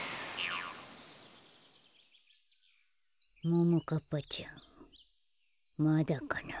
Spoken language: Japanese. ももかっぱちゃんまだかな。